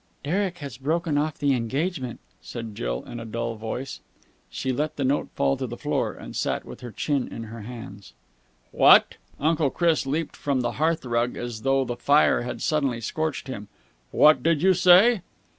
"Derek has broken off the engagement," said Jill in a dull voice. She let the note fall to the floor, and sat with her chin in her hands. "What!" Uncle Chris leaped from the hearth rug, as though the fire had suddenly scorched him. "What did you say?"